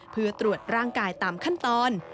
เพื่อตรวจร่างกายตามขั้นตอน